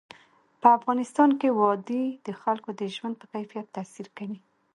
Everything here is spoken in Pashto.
په افغانستان کې وادي د خلکو د ژوند په کیفیت تاثیر کوي.